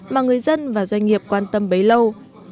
mà người dân và doanh nghiệp quan tâm bấy lâu